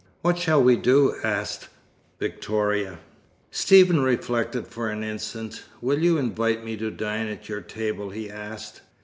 "What shall we do?" asked Victoria. Stephen reflected for an instant. "Will you invite me to dine at your table?" he asked.